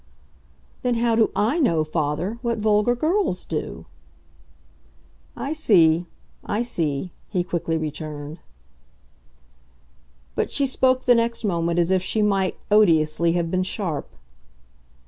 "Then how do I know, father, what vulgar girls do?" "I see I see," he quickly returned. But she spoke the next moment as if she might, odiously, have been sharp.